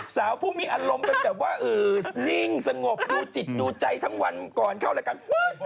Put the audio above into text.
สาวผู้มีอารมณ์เป็นแบบว่านิ่งสงบดูจิตดูใจทั้งวันก่อนเข้ารายการปุ๊บ